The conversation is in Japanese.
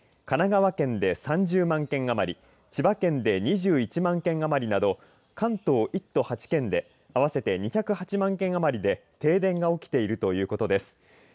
神奈川県で３０万件余り千葉県で２１万件余りなど関東１都８県で合わせて２０８万件余りで停電が起きているということです。